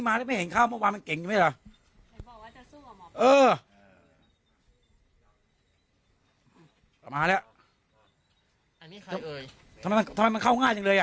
มาแล้วอันนี้ใครเอ่ยทำไมทำไมมันเข้าง่ายจังเลยน่ะ